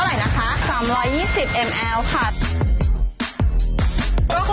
ค่ะเท่าไหร่นะครับ